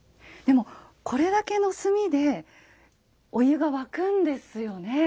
でもこれだけの炭でお湯が沸くんですよね。